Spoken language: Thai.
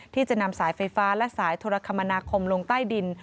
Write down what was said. ที่จะนำสายไฟฟ้าและสายโทรคมนาคมลงใต้ดิน